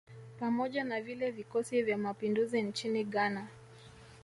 Pamoja na vile vikosi vya mapinduzi nchini Ghana